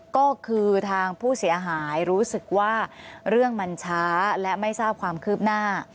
ก็คือทางผู้เสียหายรู้สึกว่าเรื่องมันช้าและไม่ทราบความคืบหน้า